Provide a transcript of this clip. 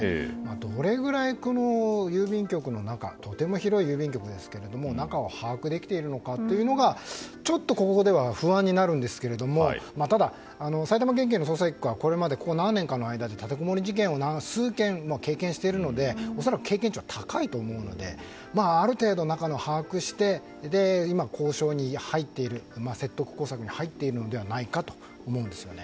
どれぐらい郵便局の中とても広い郵便局ですけれども中を把握できているのかがちょっとここでは不安になるんですがただ、埼玉県警の捜査１課はこれまでここ何年かで立てこもり事件を数件経験しているので恐らく、経験値は高いと思うのである程度、中を把握して説得工作に入っているのではないかと思うんですよね。